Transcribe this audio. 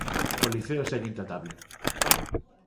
O Liceo segue intratable.